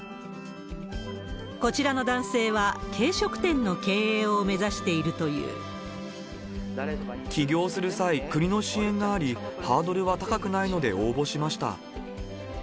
こちらの男性は、軽食店の経営を目指しているという。起業する際、国の支援があり、ハードルは高くないので応募しました。